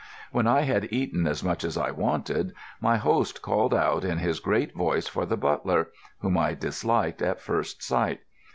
When I had eaten as much as I wanted, my host called out in his great voice for the butler, whom I disliked at first sight.